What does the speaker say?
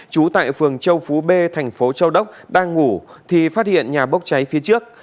trú tại phường châu phú b thành phố châu đốc đang ngủ thì phát hiện nhà bốc cháy phía trước